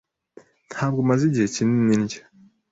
Ntabwo maze igihe kinini ndya.